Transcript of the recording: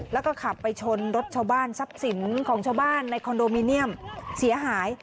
แล้วก็ขับไปชนรถชาวบ้านทรัพย์สินของชาวบ้านในคอนโดมิเนียมเสียหาย